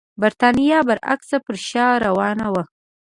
برېټانیا برعکس پر شا روانه وه.